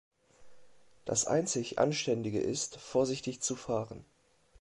Das einzig Anständige ist, vorsichtig zu fahren.